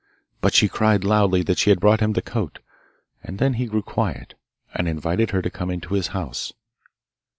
But she cried loudly that she had brought him the coat, and then he grew quiet, and invited her to come into his house.